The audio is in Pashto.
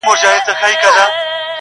زه د یویشتم قرن غضب ته فکر نه کوم.